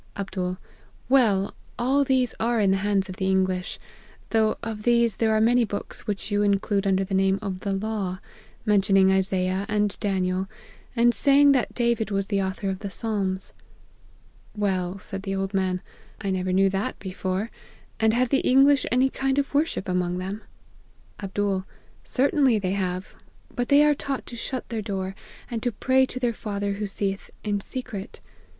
" Md. ' Well ! all these are in the hands of the English ; though of these there are many books which you include under the name of the law ;' mentioning Isaiah and Daniel, and saying that Da vid was the author of the Psalms. "< Well,' said the old man, ' I never knew that before ; and have the English any kind of worship among them ?'" Jlbd. ' Certainly they have : but they are taught to shut their door, and to pray Jo their Father who seeth in secret.